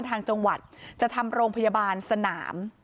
ทางจังหวัดจะทำโรงพยาบาลสนาม